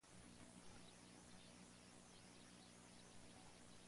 La historia comenzará con el final de Koi… Mil Gaya.